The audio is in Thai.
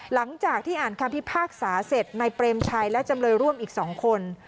หลังจากที่อ่านคำพิพากษาเสร็จนายเปรมชัยและจำเลยร่วมอีก๒คน